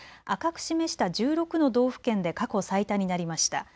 赤く示した１６の道府県で過去最多になりました。